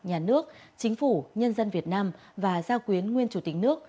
nhà nước chính phủ nhân dân việt nam và giao quyến nguyên chủ tịch nước